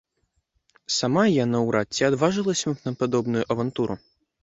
Сама я наўрад ці адважылася б на падобную авантуру.